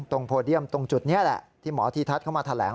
ตรงโพเดียมตรงจุดนี้แหละที่หมออธิษฐศเขามาแถลง